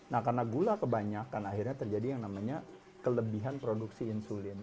nah karena gula kebanyakan akhirnya terjadi yang namanya kelebihan produksi insulin